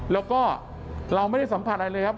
แล้วก็เราไม่ได้สัมผัสอะไรเลยครับ